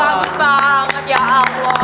bagus banget ya allah